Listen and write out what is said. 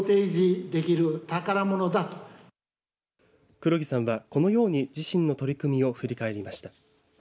黒木さんはこのように自身の取り組みを振り返りました。